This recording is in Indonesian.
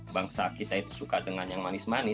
bangsa kita itu suka dengan yang manis manis